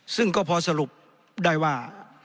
ซึ่งก็พอสรุปได้ว่า